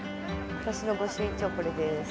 私の御朱印帳はこれです。